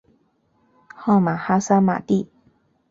号玛哈萨嘛谛。